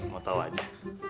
mau tau aja